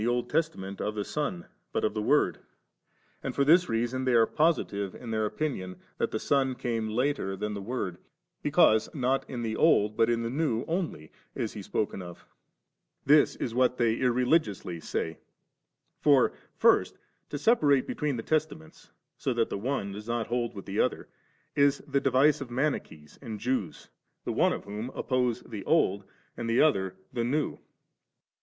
Old Testament of the Son, but of the Word; and for this reason they are positive in their opinion that the Son came later than the Word, because not in the Old, but in the New only, is He spoken o£ This is what they irreligiously say; for first to sepante between the Testaments, so that the one does not hold with the other, is the device of Mani chees and Jews, the one of whom oppose the Old, and the other the New4.